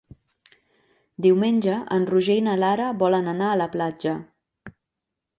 Diumenge en Roger i na Lara volen anar a la platja.